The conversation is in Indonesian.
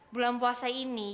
bulan puasa ini